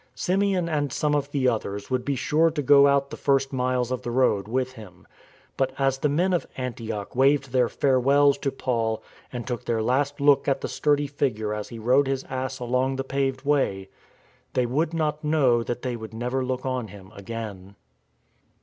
Simeon and some of the others would be sure to go out the first miles of the road with him. But, as the men of Antioch waved their " farewells " to Paul and took their last look at the sturdy figure as he rode his ass along the paved way, they would not know that they would never look on him again.